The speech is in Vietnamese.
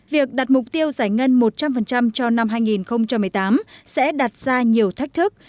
việc đặt mục tiêu giải ngân một trăm linh cho năm hai nghìn một mươi tám sẽ đặt ra nhiều thách thức